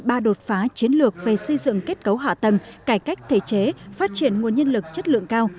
ba đột phá chiến lược về xây dựng kết cấu hạ tầng cải cách thể chế phát triển nguồn nhân lực chất lượng cao